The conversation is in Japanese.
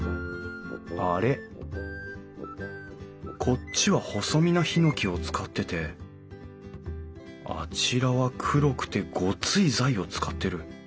こっちは細身なヒノキを使っててあちらは黒くてゴツい材を使ってる。